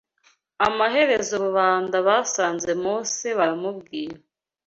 Amaherezo rubanda basanze Mose baramubwira